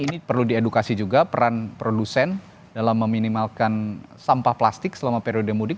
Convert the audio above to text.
ini perlu diedukasi juga peran produsen dalam meminimalkan sampah plastik selama periode mudik